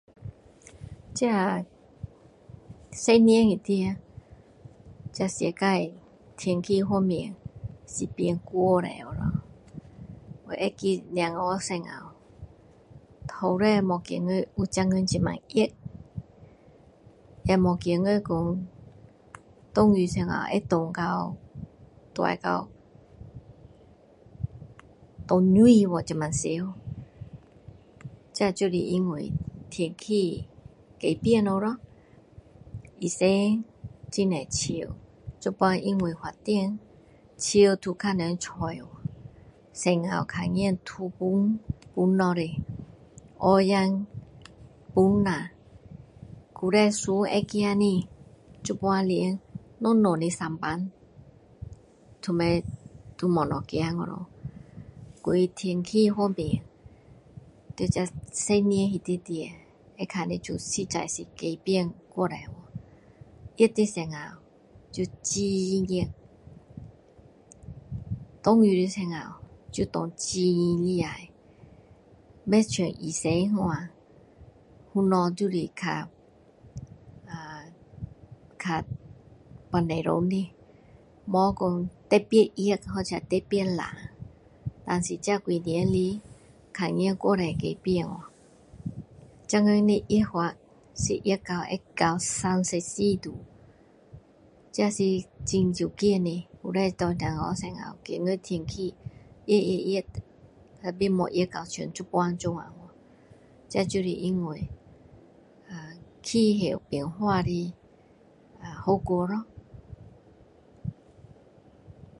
"这“ahh""十年里面，这世界天气方面，是变过多了咯。我记得孩童时候，从来没有觉得有现今这么热，也没觉得说下雨的时候会下到。。大到""erm""涨水了这么常。这就是因为天气改变了咯！以前很多树，现在因为发展，树都给人砍了。有时看见土崩，崩下来，河边崩啦。旧时船会行的。现在连小小的舢板，都没，都没能走了。就是天气方面，在这十年里面，会看得出是实在改变过多了。热的时候，就很热。下雨的时候，就下很利害。不像以前那样，什么“ahh”就是“ahh”较较半中间的，没说特别热，或者特别湿。但是这几年来，看见过多的改变咯。现今的热法，是热到会到三十四度，这是很少见的。旧时做孩童时候，天气热热热，但是没热到现在这样。这就是因为，“ahh""气候变化的”ahh""后果咯。"